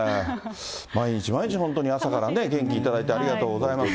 毎日毎日、本当に朝からね、元気頂いて、ありがとうございます。